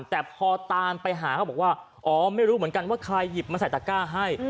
แต่พอตามไปหาเขาบอกว่าอ๋อไม่รู้เหมือนกันว่าใครหยิบมาใส่ตะก้าให้